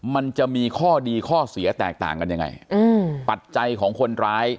มันจะมีข้อดีข้อเสียแตกต่างกันยังไงอืมปัจจัยของคนร้าย